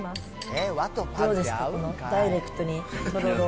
どうですか、このダイレクトにとろろを。